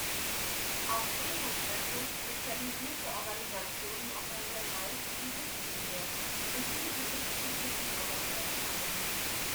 Auf Seenotrettung spezialisierte Organisationen operieren meist in Küstennähe und viele sind Nichtregierungsorganisationen.